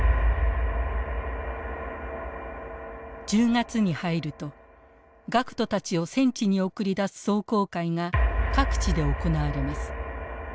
１０月に入ると学徒たちを戦地に送り出す壮行会が各地で行われます。